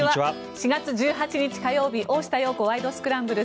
４月１８日、火曜日「大下容子ワイド！スクランブル」。